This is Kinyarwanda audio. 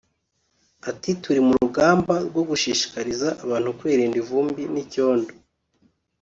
Ati “Turi mu rugamba rwo gushishikariza abantu kwirinda ivumbi n’icyondo